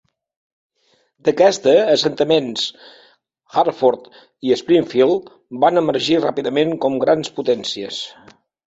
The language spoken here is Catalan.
D"aquesta assentaments, Hartford i Springfield van emergir ràpidament com grans potències.